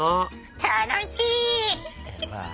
楽しい！